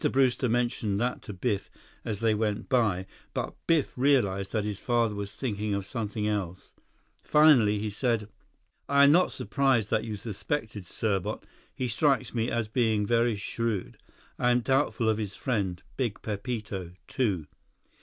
Brewster mentioned that to Biff as they went by; but Biff realized that his father was thinking of something else. Finally, he said: "I am not surprised that you suspected Serbot. He strikes me as being very shrewd. I am doubtful of his friend, Big Pepito, too."